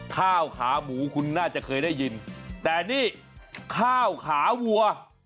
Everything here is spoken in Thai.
ข้าวขาหมูคุณน่าจะเคยได้ยินแต่นี่ข้าวขาวัว